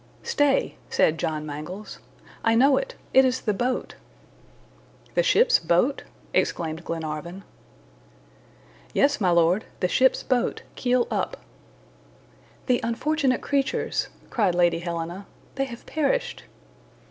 "Stay!" said John Mangles; "I know it! It is the boat." "The ship's boat?" exclaimed Glenarvan. "Yes, my lord. The ship's boat, keel up." "The unfortunate creatures," cried Lady Helena, "they have perished!"